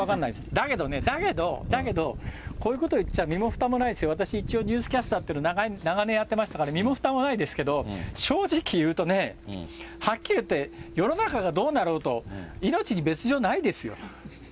だけどね、だけど、だけど、こういうこと言っちゃ身もふたもないですよ、私、一応ニュースキャスターというのを長年やってましたから、身もふたもないですけど、正直言うとね、はっきり言って、世の中がどうなろうと、命に別状ないですよ。